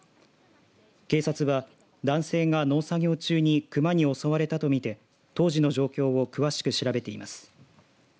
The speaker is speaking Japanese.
警察は男性が農作業中に熊に襲われたと見て当時の状況を詳しく調べています。